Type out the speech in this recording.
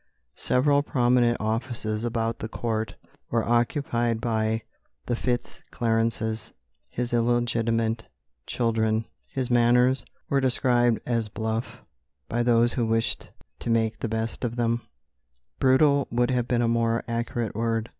Several prominent offices about the Court were occupied by the Fitz Clarences, his illegitimate children. His manners were described as "bluff" by those who wished to make the best of them; "brutal" would have been a more accurate word.